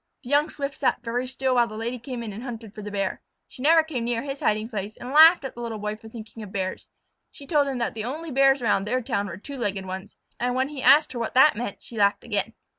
The young Swift sat very still while the Lady came in and hunted for the Bear. She never came near his hiding place, and laughed at the Little Boy for thinking of Bears. She told him that the only Bears around their town were two legged ones, and when he asked her what that meant she laughed again.